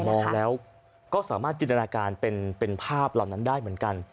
มองแล้วก็สามารถจินตนาการเป็นภาพเหล่านั้นได้เหมือนกัน